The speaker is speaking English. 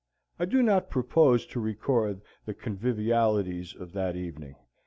I do not propose to record the convivialities of that evening.